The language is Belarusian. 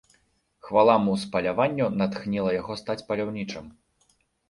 Хвала муз паляванню натхніла яго стаць паляўнічым.